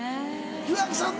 岩城さん